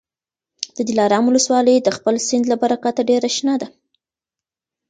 د دلارام ولسوالي د خپل سیند له برکته ډېره شنه ده.